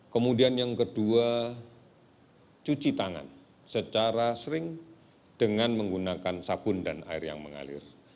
kemudian yang kedua cuci tangan secara sering dengan menggunakan sabun dan air yang mengalir